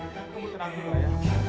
ayah kamu tenang dulu ayah